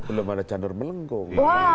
belum ada candor beleng kok